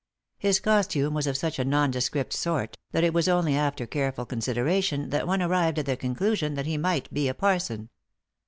His costume was of such a nondescript sort that it was only after careful con sideration that one arrived at the conclusion that he might be a parson.